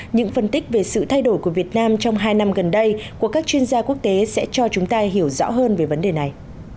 những phân tích về sự thay đổi của việt nam trong hai năm gần đây của các chuyên gia quốc tế sẽ cho chúng ta hiểu rõ hơn về vấn đề này